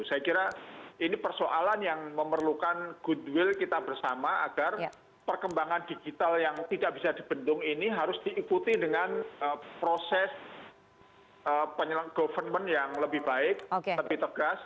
saya kira ini persoalan yang memerlukan goodwill kita bersama agar perkembangan digital yang tidak bisa dibendung ini harus diikuti dengan proses government yang lebih baik lebih tegas